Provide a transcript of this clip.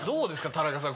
田中さん